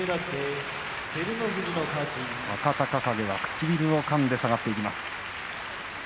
若隆景は唇をかんで下がっていきます。